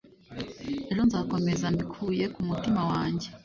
ejo nzakomeza mbikuye ku mutima wanjye